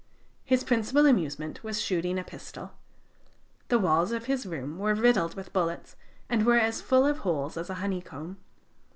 His principal amusement was shooting with a pistol. The walls of his room were riddled with bullets, and were as full of holes as a honeycomb.